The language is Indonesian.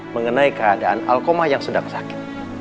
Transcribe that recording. mengenai keadaan alkomah yang sedang sakit